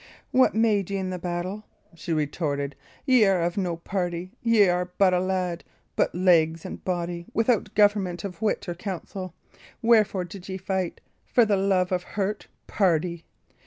"What made ye in the battle?" she retorted. "Y' are of no party; y' are but a lad but legs and body, without government of wit or counsel! Wherefore did ye fight? For the love of hurt, pardy!"